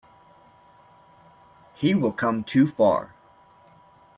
He will come too far.